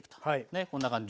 ねこんな感じに。